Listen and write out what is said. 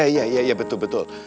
iya iya betul betul